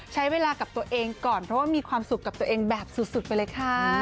ใช้เวลากับตัวเองก่อนเพราะว่ามีความสุขกับตัวเองแบบสุดไปเลยค่ะ